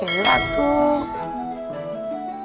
ya elak tuh